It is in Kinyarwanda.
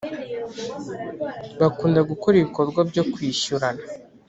Bakunda gukora ibikorwa byo kwishyurana